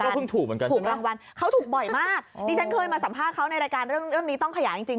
เพิ่งถูกเหมือนกันถูกรางวัลเขาถูกบ่อยมากดิฉันเคยมาสัมภาษณ์เขาในรายการเรื่องเรื่องนี้ต้องขยายจริงจริง